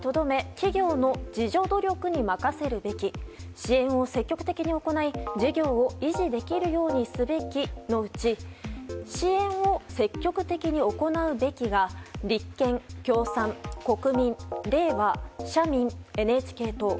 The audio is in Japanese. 企業の自助努力に任せるべき支援を積極的に行い、事業を維持できるようにすべきのうち支援を積極的に行うべきが立憲、共産、国民、れいわ社民、ＮＨＫ党。